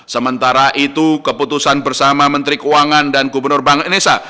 sementara itu keputusan bersama menteri keuangan dan gubernur bank indonesia